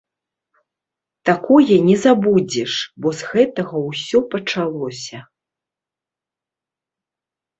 Такое не забудзеш, бо з гэтага ўсё пачалося.